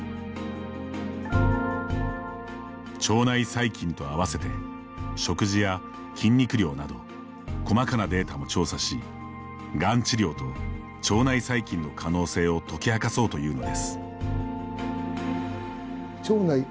腸内細菌と併せて食事や筋肉量など細かなデータも調査しがん治療と腸内細菌の可能性を解き明かそうというのです。